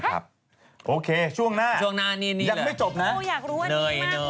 นะครับโอเคช่วงหน้ายังไม่จบนะโอ้ยอยากรู้ว่านี้มากเลย